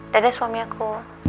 dadah suami aku